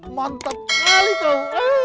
mantap sekali tuh